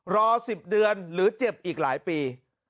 รอ๑๐เดือนหรือเจ็บอีกหลายปี